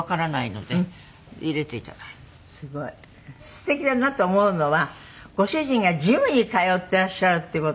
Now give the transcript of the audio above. すてきだなと思うのはご主人がジムに通っていらっしゃるっていう事を。